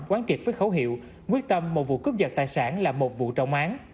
quán trịt với khẩu hiệu quyết tâm một vụ cướp giật tài sản là một vụ trọng án